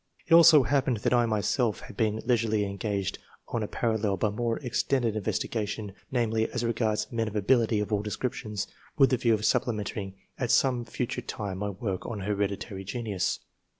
It so happened that I myself had been leisurely engaged on a parallel but more ex tended investigation — ^namely, as regards men of ability of all descriptions, with the view of supplementing at some future time my work on Hereditary Genius.